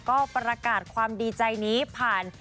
ก็ประกาศความดีใจนี้ผ่าน